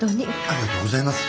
ありがとうございます。